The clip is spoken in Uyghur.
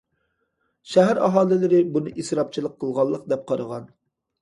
شەھەر ئاھالىلىرى بۇنى ئىسراپچىلىق قىلغانلىق، دەپ قارىغان.